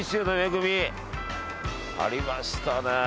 ありましたね！